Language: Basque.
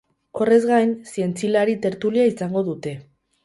Horrez gain, zientzilari tertulia izango dute.